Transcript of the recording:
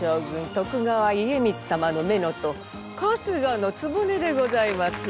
徳川家光様の乳母春日局でございます。